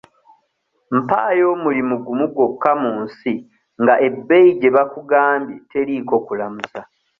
Mpaayo omulimu gumu gwokka mu nsi nga ebbeeyi gye bakugambye teriiko kulamuza.